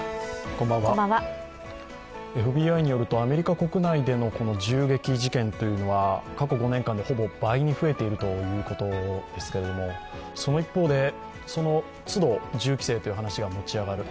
ＦＢＩによるとアメリカ国内での銃撃事件というのは過去５年間でほぼ倍に増えているということですけれどもその一方で、そのつど、銃規制という話が持ち上がる。